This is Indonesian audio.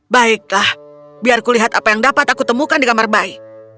baiklah biar kulihat apa yang dapat aku temukan di kamar bayi